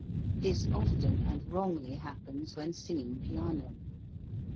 This often and wrongly happens when singing piano.